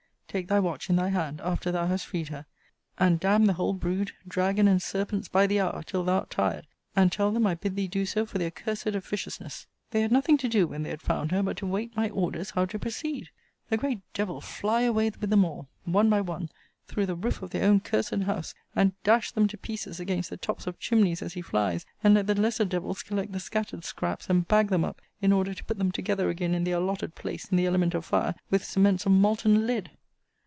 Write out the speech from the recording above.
Take thy watch in thy hand, after thou hast freed her, and d n the whole brood, dragon and serpents, by the hour, till thou'rt tired; and tell them, I bid thee do so for their cursed officiousness. They had nothing to do when they had found her, but to wait my orders how to proceed. The great devil fly away with them all, one by one, through the roof of their own cursed house, and dash them to pieces against the tops of chimneys as he flies; and let the lesser devils collect the scattered scraps, and bag them up, in order to put them together again in their allotted place, in the element of fire, with cements of molten lead.